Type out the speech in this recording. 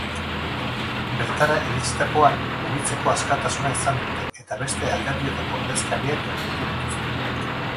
Bertara iritsitakoan, mugitzeko askatasuna izan dute eta beste alderdietako ordezkariak agurtu dituzte.